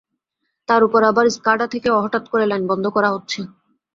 তার ওপর আবার স্কাডা থেকে হঠাৎ করে লাইন বন্ধ করা হচ্ছে।